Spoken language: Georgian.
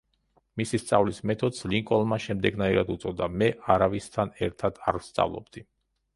მისი სწავლის მეთოდს, ლინკოლნმა შემდეგნაირად უწოდა: „მე არავისთან ერთად არ ვსწავლობდი“.